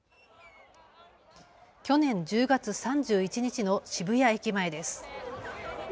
去年１０月３１日の渋谷駅前です。